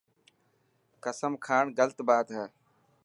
قسم کاڻ غلط بات هي.